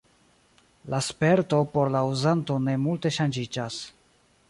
La sperto por la uzanto ne multe ŝanĝiĝas.